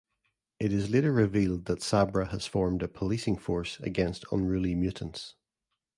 It is later revealed that Sabra has formed a policing force against unruly mutants.